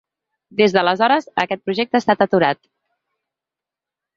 Des d’aleshores, aquest projecte ha estat aturat.